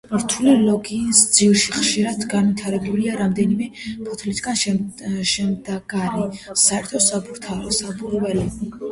რთული ქოლგის ძირში ხშირად განვითარებულია რამდენიმე ფოთლისაგან შემდგარი საერთო საბურველი.